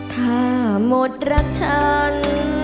ถ้าหมดรักฉัน